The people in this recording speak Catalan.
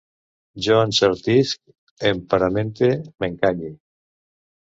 Jo encertisc, emparamente, m'encanye